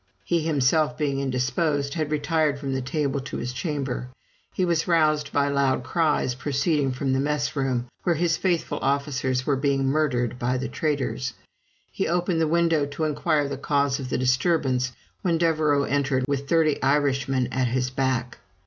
He himself being indisposed, had retired from the table to his chamber. He was roused by loud cries proceeding from the mess room, where his faithful officers were being murdered by the traitors. He opened the window to inquire the cause of the disturbance, when Devereaux entered, with thirty Irishmen at his back.